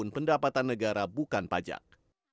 pendapatan negara bukan pajak